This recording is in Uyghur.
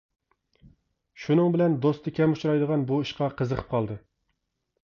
شۇنىڭ بىلەن دوستى كەم ئۇچرايدىغان بۇ ئىشقا قىزىقىپ قالدى.